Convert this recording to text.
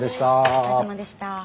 お疲れさまでした。